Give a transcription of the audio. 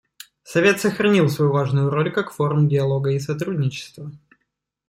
Совет сохранил свою важную роль как форум диалога и сотрудничества.